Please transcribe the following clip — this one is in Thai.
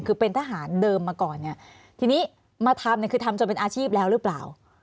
คือเป็นทหารเดิมมาก่อนเนี่ยทีนี้มาทำเนี่ยคือทำจนเป็นอาชีพแล้วหรือเปล่า